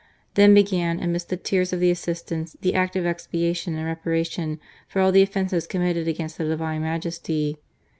Then began, amidst the tears of the assistants, the Act of Expiation and Reparation for all the offences committed against the Divine Majesty.